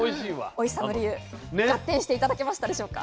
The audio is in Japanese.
おいしさの理由ガッテンして頂けましたでしょうか。